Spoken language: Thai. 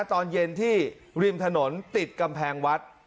ตอนเย็นที่ริมถนนติดกำแพงวัด